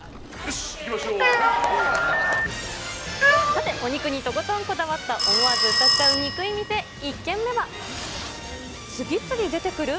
さて、お肉にとことんこだわった思わず歌っちゃうニクい店、１軒目は、次々出てくる？